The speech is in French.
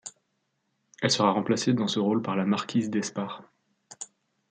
Elle sera remplacée dans ce rôle par la marquise d'Espard.